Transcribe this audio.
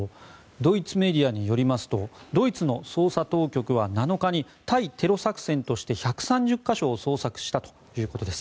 ドイツメディアによりますとドイツの捜査当局は７日に対テロ作戦として１３０か所を捜索したということです。